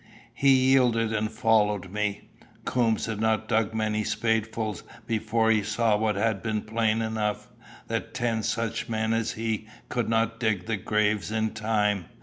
He yielded and followed me. Coombes had not dug many spadefuls before he saw what had been plain enough that ten such men as he could not dig the graves in time.